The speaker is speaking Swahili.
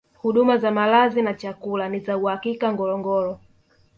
huduma za malazi na chakula ni za uhakika ngorongoro